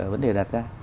vấn đề đặt ra